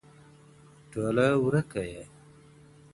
ټوله وركه يې_